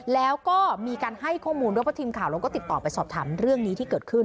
แล้วก็มีการให้ข้อมูลด้วยเพราะทีมข่าวเราก็ติดต่อไปสอบถามเรื่องนี้ที่เกิดขึ้น